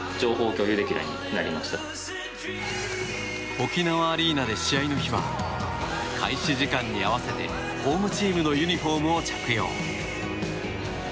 沖縄アリーナで試合の日は開始時間に合わせてホームチームのユニホームを着用。